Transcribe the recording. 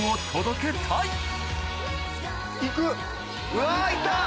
・・うわいった！